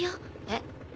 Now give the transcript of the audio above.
えっ？